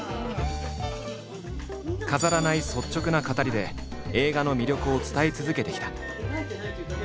飾らない率直な語りで映画の魅力を伝え続けてきた。